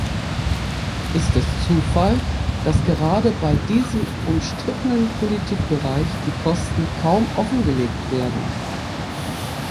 Ist es Zufall, dass gerade bei diesem umstrittenen Politikbereich die Kosten kaum offengelegt werden?